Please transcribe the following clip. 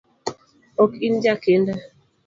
Ok in jakinda